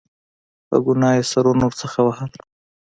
په ګناه یې سرونه ورڅخه وهل.